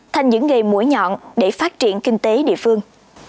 thành những nghề mũi nhọn để phát triển kinh tế địa phương